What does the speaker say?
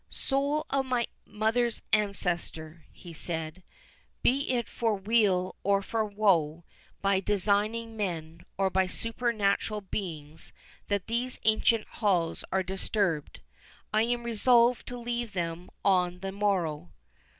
"Soul of my mother's ancestor," he said, "be it for weal or for woe, by designing men, or by supernatural beings, that these ancient halls are disturbed, I am resolved to leave them on the morrow."